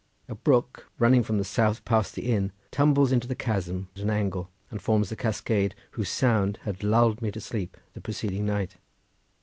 A brook running from the south past the inn, tumbles into the chasm at an angle, and forms the cascade whose sound had lulled me to sleep the preceding night.